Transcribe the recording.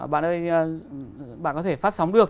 bạn ơi bạn có thể phát sóng được